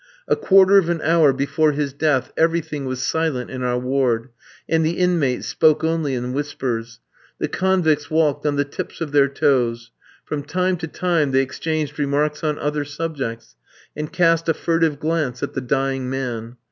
A quarter of an hour before his death everything was silent in our ward, and the inmates spoke only in whispers. The convicts walked on the tips of their toes. From time to time they exchanged remarks on other subjects, and cast a furtive glance at the dying man.